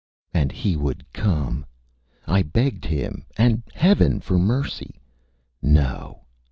And he would come. I begged him and Heaven for mercy. ... No!